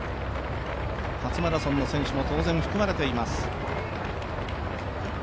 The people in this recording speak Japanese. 初マラソンの選手も当然含まれています。